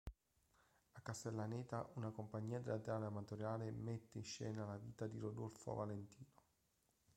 A Castellaneta una compagnia teatrale amatoriale mette in scena la vita di Rodolfo Valentino.